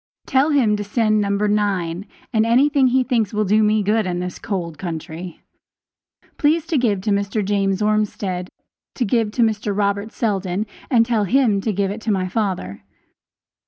Tell him to send No. 9, and anything he thinks will do me good in this cold country. Please to give to Mr. James Ormsted to give to Mr. Robert Seldon, and tell him to give it to my father.